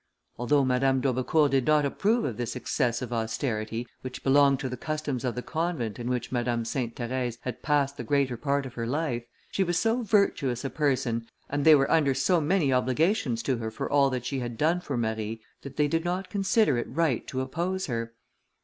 Although Madame d'Aubecourt did not approve of this excessive austerity, which belonged to the customs of the convent in which Madame Sainte Therèse had passed the greater part of her life, she was so virtuous a person, and they were under so many obligations to her for all that she had done for Marie, that they did not consider it right to oppose her.